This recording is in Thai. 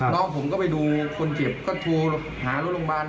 น้องผมก็ไปดูคนเจ็บก็โทรหารถโรงพยาบาล